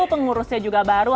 pengurusnya juga baru